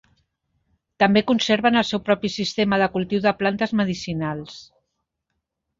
També conserven el seu propi sistema de cultiu de plantes medicinals.